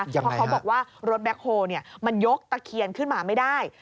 เพราะเขาบอกว่ารถแบ็คโฮลมันยกตะเคียนขึ้นมาไม่ได้